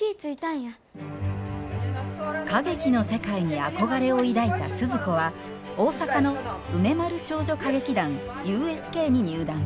歌劇の世界に憧れを抱いた鈴子は大阪の梅丸少女歌劇団ＵＳＫに入団。